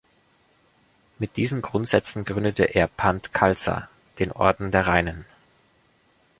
Mit diesen Grundsätzen gründete er Panth Khalsa, den Orden der Reinen.